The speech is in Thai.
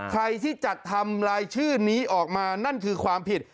ใครที่จัดทำลายชื่อนี้ออกมานั่นคือความผิด